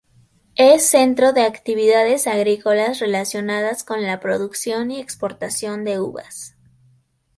Es centro de actividades agrícolas relacionadas con la producción y exportación de uvas.